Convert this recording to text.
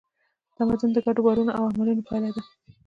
تمدن د ګډو باورونو او عملونو پایله ده.